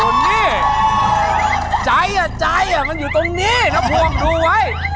โอ้นี่ใจอ่ะใจอ่ะมันอยู่ตรงนี้นะพวกดูไว้